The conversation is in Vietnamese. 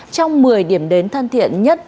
trong một mươi điểm đến thân thiện nhất